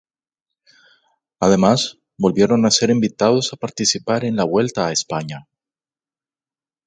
Además volvieron a ser invitados a participar en la Vuelta a España.